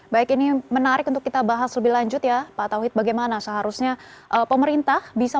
baik ini menarik untuk kita bahas lebih lanjut ya pak tauhid bagaimana seharusnya pemerintah bisa